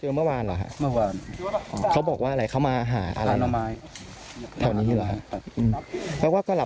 หรือว่าเฉพาะบ้านที่มีรถไถหรือว่าอะไร